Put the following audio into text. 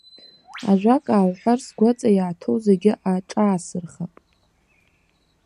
Ажәак аалҳәар, сгәаҵа иааҭоу зегьы аҿаасырхап.